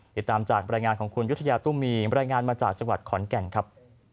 ติดตามจากบรรยายงานของคุณยุธยาตุ้มมีรายงานมาจากจังหวัดขอนแก่นครับ